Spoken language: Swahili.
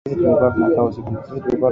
Sisi tulikuwa tunakaa usiku mzima